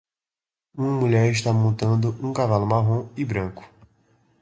Uma mulher está montando um cavalo marrom e branco.